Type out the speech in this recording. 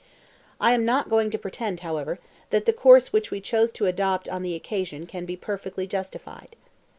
I am not going to pretend, however, that the course which we chose to adopt on the occasion can be perfectly justified.